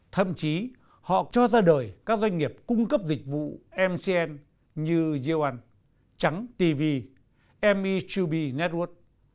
thậm chí họ cho ra đời các doanh nghiệp cung cấp dịch vụ mcn như yeoan trắng tv me hai b network